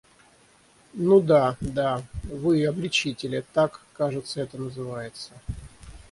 Ну да, да, вы обличители, - так, кажется, это называется.